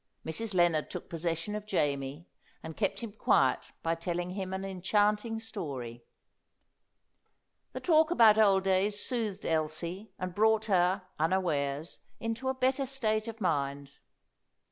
Mrs. Lennard took possession of Jamie, and kept him quiet by telling him an enchanting story. The talk about old days soothed Elsie, and brought her, unawares, into a better state of mind. Mrs.